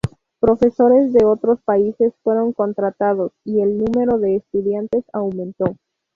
Profesores de otros países fueron contratados, y el número de estudiantes aumentó.